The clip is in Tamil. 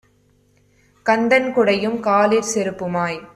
கந்தன், குடையும் காலிற் செருப்புமாய்